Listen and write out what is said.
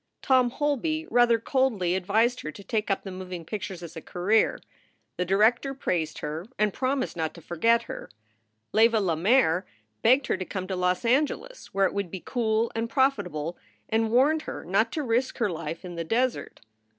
Tom Holby rather coldly advised her to take up the moving pictures as a career. The director praised her and promised not to forget her. Leva Lemaire begged her to come to Los Angeles, where it would be cool and profitable, and warned her not to risk her life in the desert.